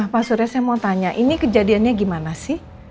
pak surya saya mau tanya ini kejadiannya gimana sih